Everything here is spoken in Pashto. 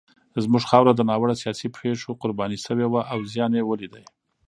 زموږ خاوره د ناوړه سیاسي پېښو قرباني شوې وه او زیان یې ولید.